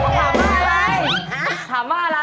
ผมถามว่าอะไร